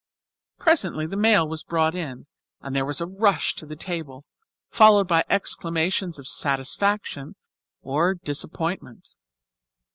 Presently the mail was brought in, and there was a rush to the table, followed by exclamations of satisfaction or disappointment.